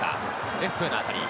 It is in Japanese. レフトへの当たり。